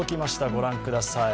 ご覧ください。